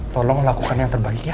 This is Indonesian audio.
tolong lakukan yang terbaik ya